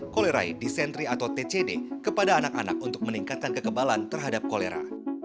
kolerai dicentri atau tcd kepada anak anak untuk meningkatkan kekebalan terhadap kolera